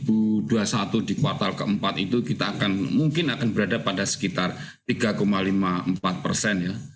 di kuartal keempat itu kita akan mungkin akan berada pada sekitar tiga lima puluh empat persen ya